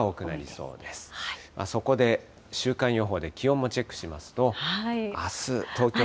そこで週間予報で気温もチェックしますと、あす、東京。